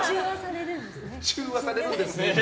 中和されるんですね。